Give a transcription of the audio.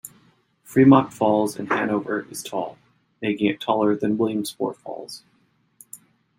Fremont Falls in Hanover is tall, making it taller than Williamsport Falls.